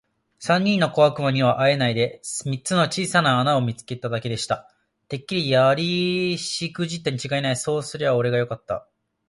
三人の小悪魔にはあえないで、三つの小さな穴を見つけただけでした。「てっきりやりしくじったにちがいない。そうとすりゃおれがやりゃよかった。」